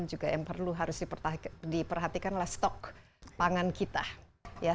juga yang perlu harus diperhatikan adalah stok pangan kita ya